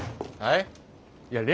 はい？